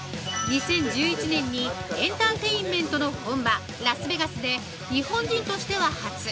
２０１１年にエンターテイメントの本場ラスベガスで、日本人としては初。